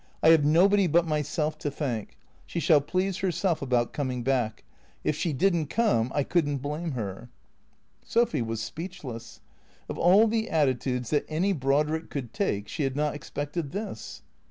" I have nobody but myself to thank. She shall please her self about coming back. It she did n't come — I could n't blame her." Sophy was speechless. Of all the attitudes that any Brod rick could take she had not expected this.